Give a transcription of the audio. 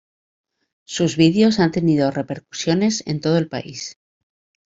Sus videos han tenido repercusiones en todo el país.